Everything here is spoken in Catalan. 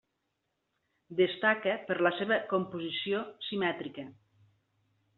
Destaca per la seva composició simètrica.